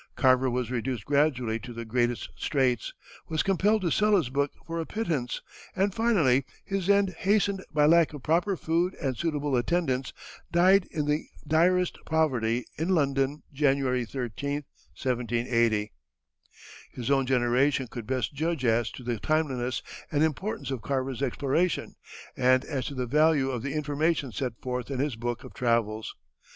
Carver was reduced gradually to the greatest straits, was compelled to sell his book for a pittance, and finally, his end hastened by lack of proper food and suitable attendance, died in the direst poverty in London, January 13, 1780. His own generation could best judge as to the timeliness and importance of Carver's exploration, and as to the value of the information set forth in his book of travels.